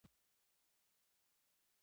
ستاسې په ذهن کې هم دغه ډول يو نبوغ ويده دی.